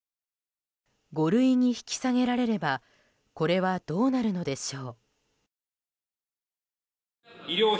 五類に引き下げられればこれはどうなるのでしょう。